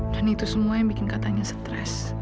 dan itu semua yang bikin katanya stres